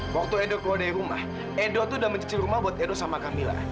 waktu edo keluar dari rumah edo tuh udah mencicil rumah buat edo sama kamila